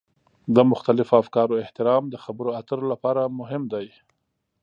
د مختلفو افکارو احترام د خبرو اترو لپاره مهم دی.